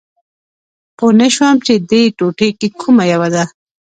پوه نه شوم چې په دې ټوټو کې کومه یوه ده